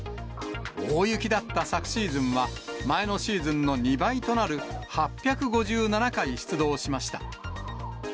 大雪だった昨シーズンは、前のシーズンの２倍となる８５７回出動しました。